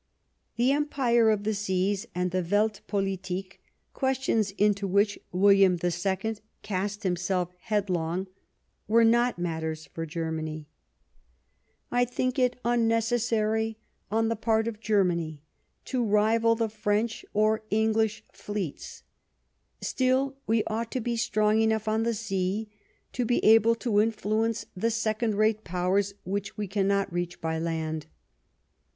The Empire of the Seas and the Welipolitik, questions into which WiUiam II cast himself head long, were not matters for Germany. " I think it 234 Last Fights unnecessary on the part of Germany to rival the French or Enghsh Fleets. Still, we ought to be strong enough on the sea to be able to influence the second rate Powers which we cannot reach by land.